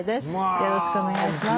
よろしくお願いします